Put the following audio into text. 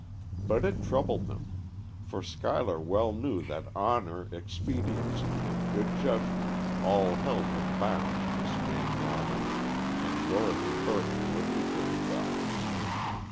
But it troubled them; for Schuyler well knew that honor, expediency, and good judgment all held him bound to Miss Van Norman, and Dorothy Burt knew it equally well.